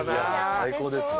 最高ですね。